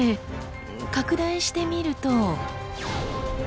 拡大してみると。